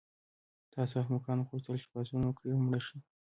تاسو احمقانو غوښتل چې پاڅون وکړئ او مړه شئ